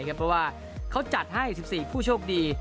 เพราะว่าเขาจัดให้๑๔ผู้โชคดี